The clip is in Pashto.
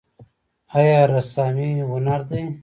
آیا رسامي هنر دی؟